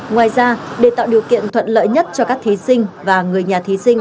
ngoài ra để tạo điều kiện thuận lợi nhất cho các thí sinh và người nhà thí sinh